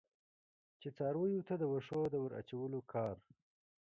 چې څارویو ته د وښو د ور اچولو کار.